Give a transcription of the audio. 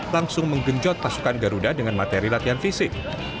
langsung menggenjot pasukan garuda dengan materi latihan fisik